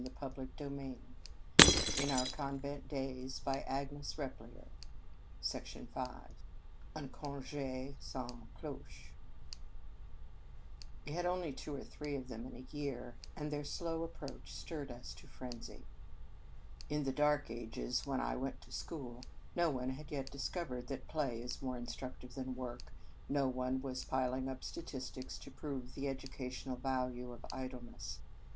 Hell was banished from our apprehen sions. But, oh, how beautiful was the world I Un Conge sans Cloche WE had only two or three of them in the year, and their slow approach stirred us to frenzy. In the dark ages, when I went to school, no one had yet discovered that play is more instructive than work, no one was piling up statistics to prove the educational value of idle ness.